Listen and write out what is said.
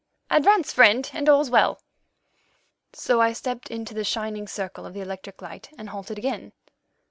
Advance, friend, and all's well." So I stepped into the shining circle of the electric light and halted again.